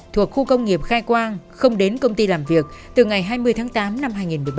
thuộc khu công nghiệp khai quang không đến công ty làm việc từ ngày hai mươi tháng tám năm hai nghìn một mươi ba